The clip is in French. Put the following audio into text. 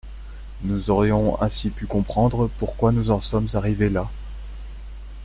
Nous aurions ainsi pu comprendre pourquoi nous en sommes arrivés là.